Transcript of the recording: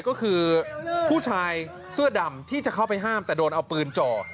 ก็คือผู้ชายเสื้อดำที่จะเข้าไปห้ามแต่โดนเอาปืนจ่อ